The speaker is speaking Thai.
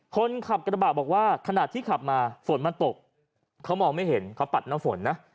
คนขับกระบะบอกว่าขณะที่ขับมาฝนมันตกเขามองไม่เห็นเขาปัดน้ำฝนนะ